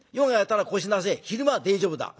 昼間は大丈夫だ」。